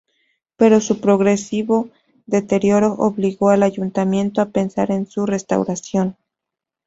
Pero su progresivo deterioro obligó al Ayuntamiento a pensar en su restauración.